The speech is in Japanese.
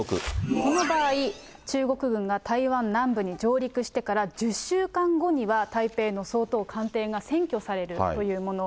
その場合、中国軍が台湾南部に上陸してから１０週間後には、台北の総統官邸が占拠されるというもの。